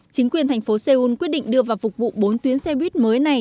chính quyền thành phố seoul quyết định đưa vào phục vụ bốn tuyến xe buýt mới này